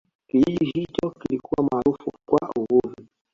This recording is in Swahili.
kijiji hicho kilikuwa maarufu kwa uvuvi